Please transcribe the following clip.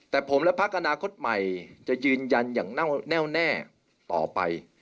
แต่ผมและพักอนาคตใหม่จะยืนยันอย่างแน่วแน่ต่อไป